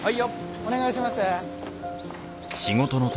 お願いします。